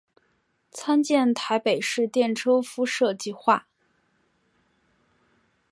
参见台北市电车敷设计画。